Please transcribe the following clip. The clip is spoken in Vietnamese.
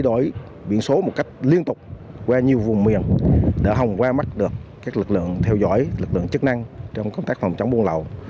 để không qua mắt được các lực lượng theo dõi lực lượng chức năng trong công tác phòng chống buôn lậu